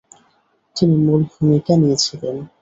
তিনি মূল ভূমিকা নিয়েছিলেন।